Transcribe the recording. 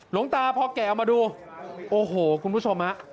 หลวงตาพอแกะออกมาดูโอ้โหคุณผู้ชมฮะ